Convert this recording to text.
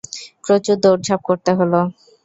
প্রচুর দৌড়ঝাঁপ করতে হলো।